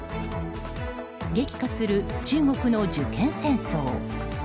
激化する中国の受験戦争。